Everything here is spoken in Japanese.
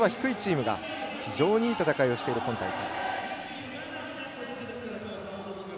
この中では低いチームが非常にいい戦いをしている今大会。